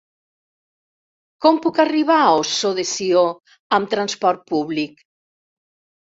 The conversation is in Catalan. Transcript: Com puc arribar a Ossó de Sió amb trasport públic?